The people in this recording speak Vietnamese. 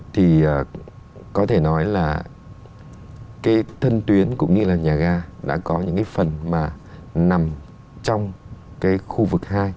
thì có thể nói là cái thân tuyến cũng như là nhà ga đã có những cái phần mà nằm trong cái khu vực hai